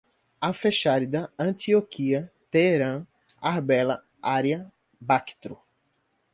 Afexárida, Antioquia, Teerã, Arbela, Ária, Bactro